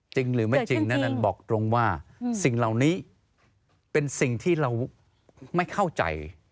จริงหรือไม่จริงนั้นบอกตรงว่าสิ่งเหล่านี้เป็นสิ่งที่เราไม่เข้าใจ